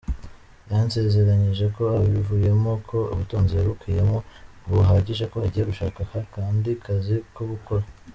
Yansezeranyije ko abivuyemo, ko ubutunzi yabikuyemo buhagije ko agiye gushaka akakandi kazi ko gukora.